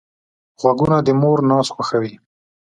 غوږونه د مور ناز خوښوي